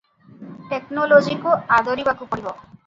ଟେକନୋଲୋଜିକୁ ଆଦରିବାକୁ ପଡ଼ିବ ।